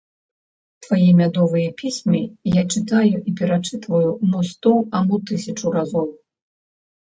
Твае мядовыя пісьмы я чытаю і перачытваю мо сто, а мо тысячу разоў.